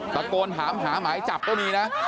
ตะโกนถามหาหมายจับก็มีนะ